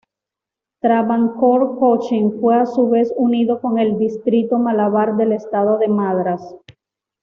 Travancore-Cochín, fue a su vez unido con el Distrito Malabar del Estado de Madras.